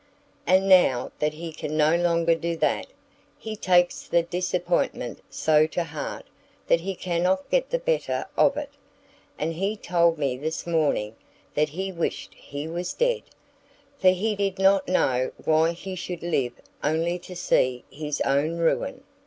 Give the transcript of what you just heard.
And now that he can no longer do that, he takes the disappointment so to heart that he cannot get the better of it; and he told me this morning that he wished he was dead, for he did not know why he should live only to see his own ruin!